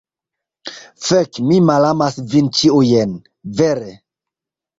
Fek, mi malamas vin ĉiujn! Vere!